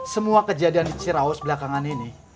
semua kejadian di cirawas belakangan ini